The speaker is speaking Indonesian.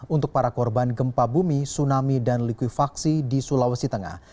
untuk para korban gempa bumi tsunami dan likuifaksi di sulawesi tengah